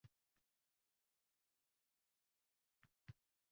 Yaqin qarindoshlarim bilan mulkiy nizo kelib chiqqan